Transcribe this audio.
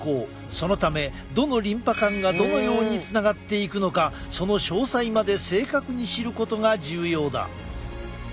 そのためどのリンパ管がどのようにつながっていくのかその詳細まで正確に知ることが重要だ。